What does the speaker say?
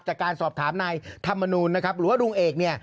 จากการสอบถามนายธรรมนูลนะครับหรือว่าลุงเอกเนี่ย